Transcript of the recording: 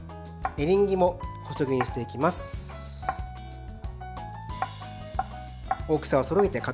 エリンギも細切りにしていきます。